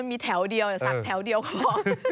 มันมีแถวเดียวแต่สักแถวเดียวก็พอ